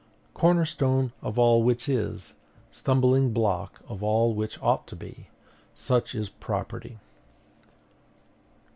Corner stone of all which is, stumbling block of all which ought to be, such is property.